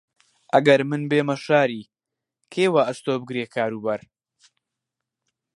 ئەگەر من بێمە شاری، کێ وەئەستۆ بگرێ کاروبار؟